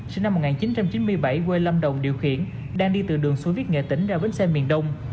sinh năm một nghìn chín trăm chín mươi bảy quê lâm đồng điều khiển đang đi từ đường suối viết nghệ tỉnh ra bến xe miền đông